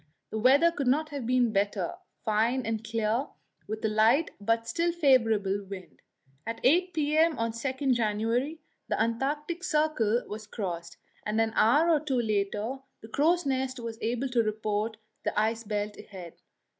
The weather could not have been better fine and clear, with a light but still favourable wind. At 8 p.m. on January 2 the Antarctic Circle was crossed, and an hour or two later the crow's nest was able to report the ice belt ahead.